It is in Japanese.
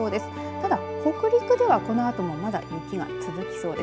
ただ北陸ではこのあともまだ雪が続きそうです。